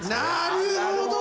なるほど！